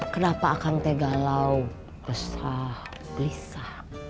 kenapa akan tegalau besok bisa